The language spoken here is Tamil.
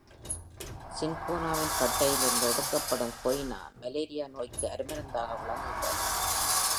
சின்கோனாவின் பட்டையிலிருந்து எடுக்கப்படும் கொய்னா, மலேரியா நோய்க்கு அருமருந்தாக விளங்குகிறது.